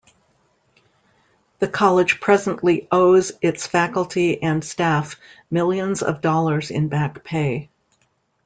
The College presently owes its faculty and staff millions of dollars in back pay.